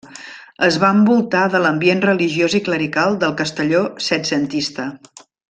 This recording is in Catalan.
Es va envoltar de l'ambient religiós i clerical del Castelló setcentista.